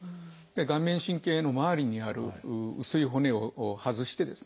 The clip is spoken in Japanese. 顔面神経の周りにある薄い骨を外してですね